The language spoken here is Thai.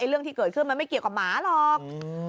เรื่องที่เกิดขึ้นมันไม่เกี่ยวกับหมาหรอก